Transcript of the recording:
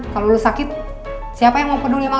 kalau lu sakit siapa yang mau peduli sama lu